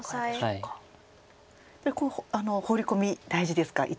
やはりホウリコミ大事ですか。